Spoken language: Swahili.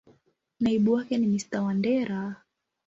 Naibu wake ni Mr.Wandera.